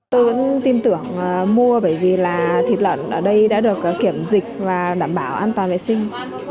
tôi vẫn tin tưởng mua bởi vì là thịt lợn ở đây đã được kiểm dịch và đảm bảo an toàn vệ sinh